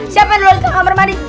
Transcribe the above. siapa yang jual ke kamar mandi